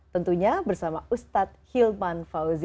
tentunya bersama ustadz hilman fauzi